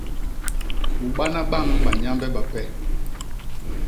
U bana bañ banyambe bape.